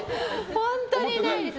本当にないです。